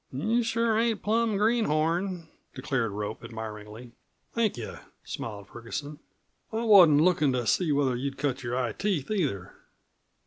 "You sure ain't plum greenhorn," declared Rope admiringly. "Thank yu'," smiled Ferguson; "I wasn't lookin' to see whether you'd cut your eye teeth either."